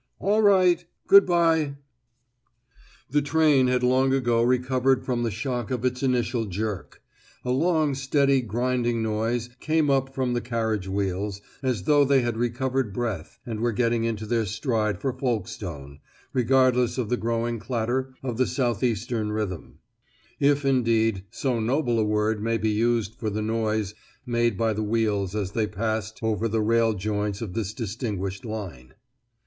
"All right! Good bye!" The train had long ago recovered from the shock of its initial jerk; a long steady grinding noise came up from the carriage wheels, as though they had recovered breath and were getting into their stride for Folkestone, regardless of the growing clatter of the South Eastern rhythm; if, indeed, so noble a word may be used for the noise made by the wheels as they passed over the rail joints of this distinguished line.